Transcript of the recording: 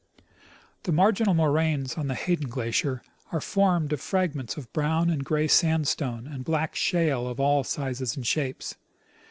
The marginal moraines on the Hayden glacier are formed of fragments of brown and gray sandstone and black shale of all sizes and shapes.